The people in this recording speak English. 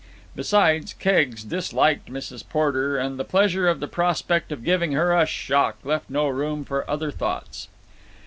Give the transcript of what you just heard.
Besides, Keggs disliked Mrs. Porter, and the pleasure of the prospect of giving her a shock left no room for other thoughts.